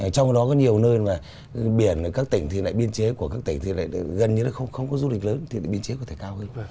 trong đó có nhiều nơi mà biển các tỉnh biên chế của các tỉnh gần như không có du lịch lớn thì biên chế có thể cao hơn